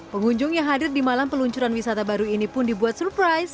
pengunjung yang hadir di malam peluncuran wisata baru ini pun dibuat surprise